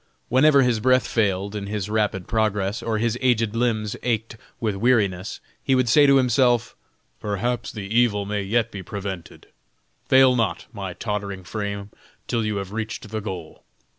Whenever his breath failed in his rapid progress, or his aged limbs ached with weariness, he would say to himself: "Perhaps the evil may yet be prevented; fail not, my tottering frame, till you have reached the goal!"